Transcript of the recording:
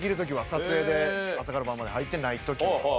撮影で朝から晩まで入ってない時は。